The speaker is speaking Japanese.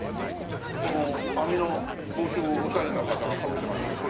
この網の帽子をおしゃれな方がかけてますけど。